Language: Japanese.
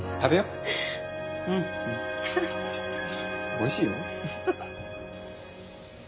おいしいよ。